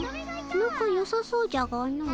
なかよさそうじゃがの。